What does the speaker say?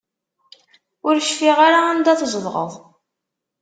Ur cfiɣ ara anda tzedɣeḍ.